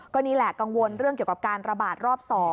ก็นี่แหละกังวลเรื่องเกี่ยวกับการระบาดรอบ๒